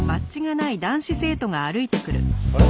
あれ？